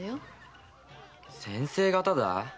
先生方だ？